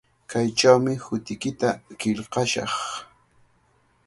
Kaychawmi hutiykita qillqashaq.